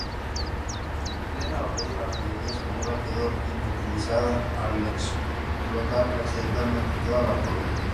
En plena batalla, la artillería española quedó inutilizada al explotar accidentalmente toda la pólvora.